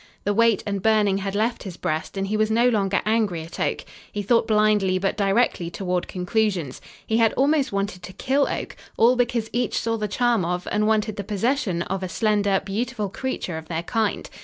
The weight and burning had left his breast and he was no longer angry at Oak. He thought blindly but directly toward conclusions. He had almost wanted to kill Oak, all because each saw the charm of and wanted the possession of a slender, beautiful creature of their kind.